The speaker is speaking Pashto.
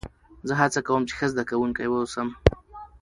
زه هڅه کوم، چي ښه زدهکوونکی واوسم.